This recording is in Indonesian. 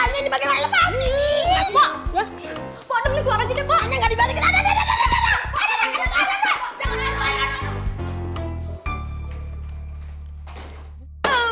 jangan jangan jangan